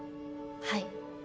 はい。